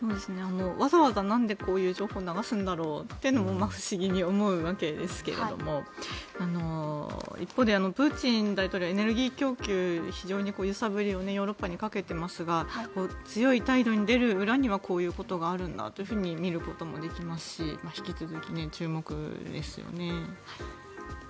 わざわざなんでこういう情報を流すんだろうと不思議に思うわけですけども一方でプーチン大統領はエネルギー供給非常に揺さぶりをヨーロッパにかけていますが強い態度に出る裏にはこういうことがあるんだと見ることもできますし引き続き注目ですよね。